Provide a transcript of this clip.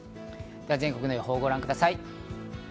全国の予報をご覧ください。